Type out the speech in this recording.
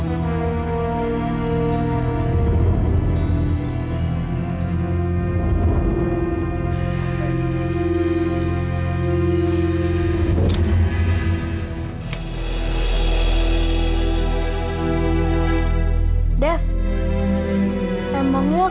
aku di entara aku sudah terbuka